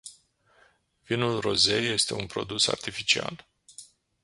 Vinul rosé este un produs artificial.